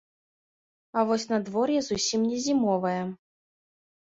А вось надвор'е зусім не зімовае.